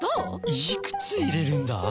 いくつ入れるんだ？